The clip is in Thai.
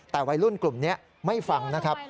แต่วัยรุ่นกลุ่มนี้ไม่ฟังนะครับ